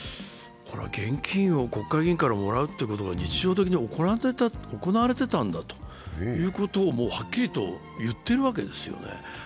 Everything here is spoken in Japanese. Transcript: これは現金を国会議員からもらうということが、日常的に行われていたんだということをはっきりと言ってるわけですよね。